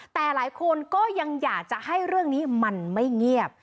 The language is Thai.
แต่หลายคนก็ยังอยากจะให้เรื่องนี้มันไม่เงียบ